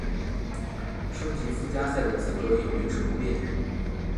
升级附加赛的资格也维持不变。